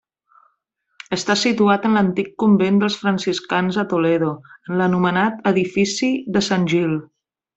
Està situat en l'antic Convent dels Franciscans a Toledo, en l'anomenat edifici de San Gil.